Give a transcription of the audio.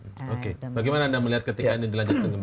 oke bagaimana anda melihat ketika ini dilanjutkan kembali